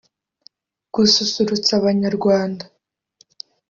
gususurutsa banyarwanda